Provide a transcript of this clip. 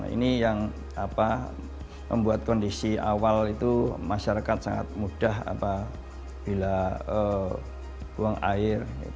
ini yang membuat kondisi awal itu masyarakat sangat mudah bila buang air